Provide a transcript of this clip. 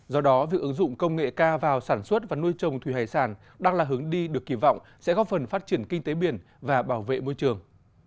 do đó việc ứng dụng công nghệ cao vào sản xuất và nuôi trồng thủy hải sản đang là hướng đi được kỳ vọng sẽ góp phần phát triển kinh tế biển và bảo vệ môi trường